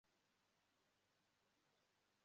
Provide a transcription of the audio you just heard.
Ibyo nkora byose Chris ahora yitochrisba